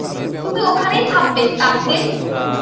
তুমি ওখানেই থামবে, কাপকেক!